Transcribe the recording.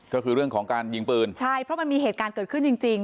ก็คือเรื่องของการยิงปืนใช่เพราะมันมีเหตุการณ์เกิดขึ้นจริงจริง